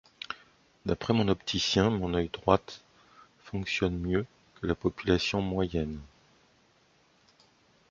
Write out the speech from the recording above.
D'après mon opticien, mon œil droite fonctionne mieux que la population moyenne.